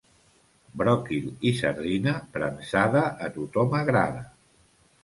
Bròquil i sardina premsada a tothom agrada.